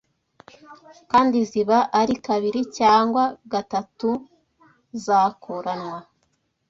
kandi ziba ari kabiri cyangwa gatatu zakuranwa